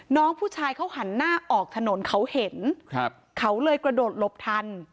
น้องผู้ชายเขาหันหน้าออกถนนเขาเห็นครับเขาเลยกระโดดหลบทัน